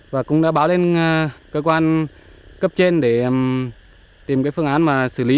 và cũng đã báo đến cơ quan cấp trên để tìm cái phương án mà xử lý